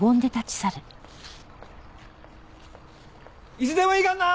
いつでもいいからな！